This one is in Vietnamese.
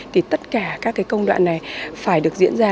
thì tất cả các cái công đoạn này phải được diễn ra